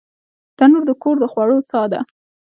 تنور د کور د خوړو ساه ده